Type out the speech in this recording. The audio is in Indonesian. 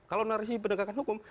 kalau narasi pendegakan hukum